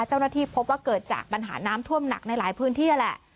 เจ้าหน้าที่พบว่าเกิดจากปัญหาน้ำท่วมหนักในหลายพื้นที่นั่นแหละ